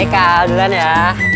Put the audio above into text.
eh kal duluan ya